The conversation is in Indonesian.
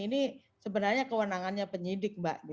ini sebenarnya kewenangannya penyidik mbak